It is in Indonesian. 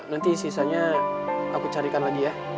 nanti sisanya aku carikan lagi ya